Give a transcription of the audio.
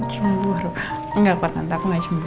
cemburu nggak pak tante aku nggak cemburu